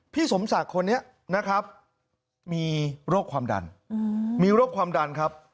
พี่สมศักดิ์คนนี้นะครับมีโรคความดัน